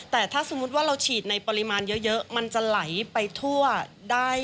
แต่ถ้าสมมุติว่าเราฉีดในปริมาณเยอะมันจะไหลไปทั่วได้